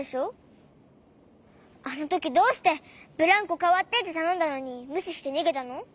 あのときどうして「ブランコかわって」ってたのんだのにむししてにげたの？